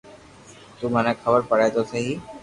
تو مني خبر پڙي تو سھي